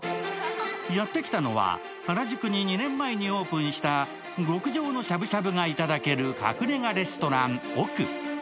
やってきたのは原宿に２年前にオープンした極上のしゃしぶしゃぶがいただける隠れ家レストランＯＫＵ。